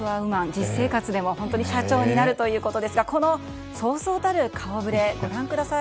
実生活でも本当に社長になるということですがこのそうそうたる顔ぶれご覧ください。